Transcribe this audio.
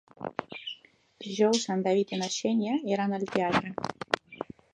Dijous en David i na Xènia iran al teatre.